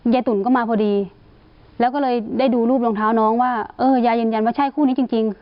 ตุ๋นก็มาพอดีแล้วก็เลยได้ดูรูปรองเท้าน้องว่าเออยายยืนยันว่าใช่คู่นี้จริง